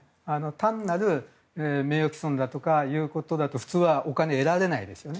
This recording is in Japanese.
単なる名誉毀損だとかということだと普通はお金を得られないですよね。